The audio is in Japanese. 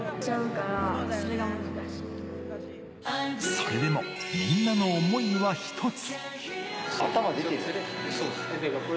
それでも、みんなの思いは１つ。